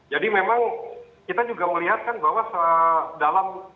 jadi memang kita juga melihatkan bahwa dalam